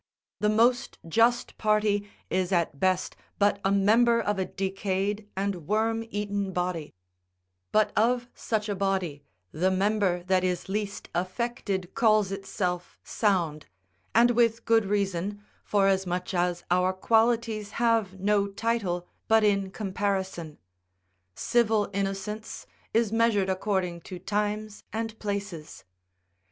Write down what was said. The most just party is at best but a member of a decayed and worm eaten body; but of such a body, the member that is least affected calls itself sound, and with good reason, forasmuch as our qualities have no title but in comparison; civil innocence is measured according to times and places.